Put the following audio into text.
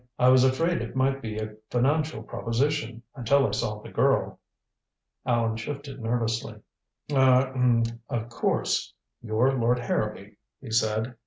I was afraid it might be a financial proposition until I saw the girl." Allan shifted nervously. "Ah er of course, you're Lord Harrowby," he said.